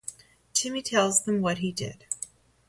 Timmy tells them what he did.